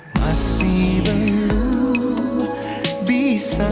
masih belum bisa